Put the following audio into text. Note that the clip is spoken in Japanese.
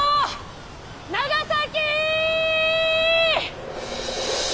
長崎！